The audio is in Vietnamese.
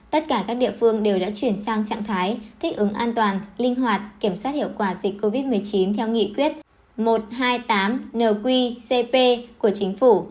tất cả các địa phương đều đã chuyển sang trạng thái thích ứng an toàn linh hoạt kiểm soát hiệu quả dịch covid một mươi chín theo nghị quyết một trăm hai mươi tám nqcp của chính phủ